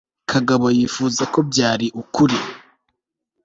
kagabo yifuza ko byari ukuri